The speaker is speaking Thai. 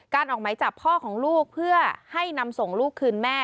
ออกไหมจับพ่อของลูกเพื่อให้นำส่งลูกคืนแม่